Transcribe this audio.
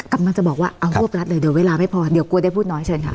กำลังจะบอกว่าเอารวบรัดเลยเดี๋ยวเวลาไม่พอเดี๋ยวกลัวได้พูดน้อยเชิญค่ะ